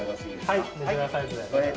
はい。